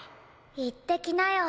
行ってきなよ。